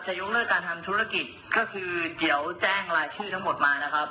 ยกเลิกการทำธุรกิจก็คือเดี๋ยวแจ้งรายชื่อทั้งหมดมานะครับ